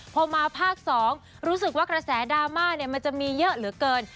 พอมาภาค๒รู้สึกว่ากระแสดราม่ามันจะมีเยอะเหลือเกิน